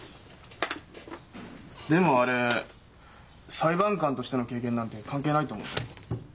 でもあれ裁判官としての経験なんて関係ないと思うんだけど。